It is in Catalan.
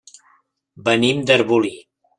Venim d'Arbolí.